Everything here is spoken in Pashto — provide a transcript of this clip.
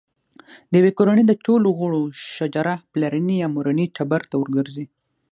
د یوې کورنۍ د ټولو غړو شجره پلرني یا مورني ټبر ته ورګرځي.